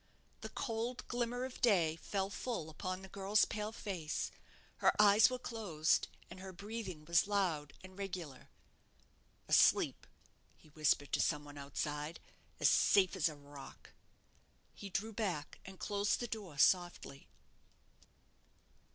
The cold glimmer of day fell full upon the girl's pale face. Her eyes were closed, and her breathing was loud and regular. "Asleep," he whispered to some one outside; "as safe as a rock." He drew back and closed the door softly.